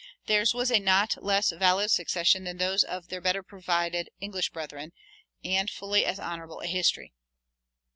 Theirs was a not less valid succession than those of their better provided English brethren, and fully as honorable a history.